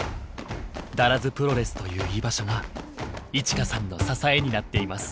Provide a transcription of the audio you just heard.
だらずプロレスという居場所が衣千華さんの支えになっています。